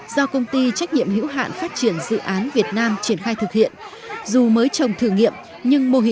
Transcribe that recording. do công ty trách nhiệm hữu hạn phát triển dự án việt nam triển khai thực hiện